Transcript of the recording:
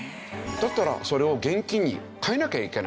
だったらそれを現金に替えなきゃいけないでしょ。